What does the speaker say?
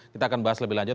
kita akan bahas lebih lanjut